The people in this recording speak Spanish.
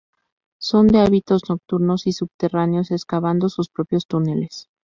Son de hábitos nocturnos y subterráneos, excavando sus propios túneles.